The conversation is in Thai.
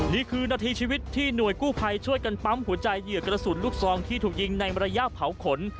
นี่คือนาทีชีวิตที่หน่วยกู้ภัยช่วยกันปั๊มหัวใจเหยื่อกระสุนลูกซองที่ถูกยิงในระยะเผาขน